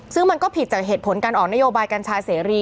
ซึ่งมันก็ผิดจากเหตุผลการออกนโยบายกัญชาเสรี